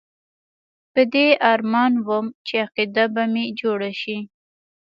په دې ارمان وم چې عقیده به مې جوړه شي.